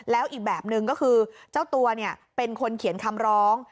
แล้วอีกแบบหนึ่งก็คือเจ้าตัวเป็นคนเขียนคำร้อง